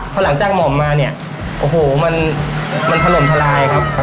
พอหลังจากหม่อมมาเนี่ยโอ้โหมันถล่มทลายครับ